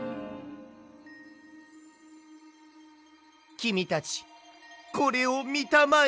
きみたちこれをみたまえ。